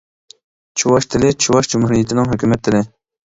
چۇۋاش تىلى چۇۋاش جۇمھۇرىيىتىنىڭ ھۆكۈمەت تىلى.